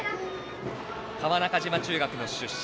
川中島中学の出身。